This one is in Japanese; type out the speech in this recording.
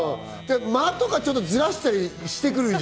間とかずらしたりしてくるじ